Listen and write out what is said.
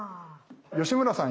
吉村さん